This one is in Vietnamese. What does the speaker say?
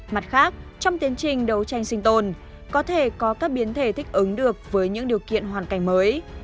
mặt khác trong tiến trình đấu tranh sinh tồn có thể có các biến thể thích ứng được với những điều kiện hoàn cảnh mới